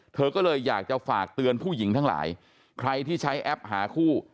เธอก็เลยอยากจะฝากเตือนผู้หญิงทั้งหลายใครที่ใช้แอปหาคู่